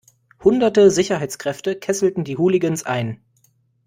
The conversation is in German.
Hunderte Sicherheitskräfte kesselten die Hooligans ein.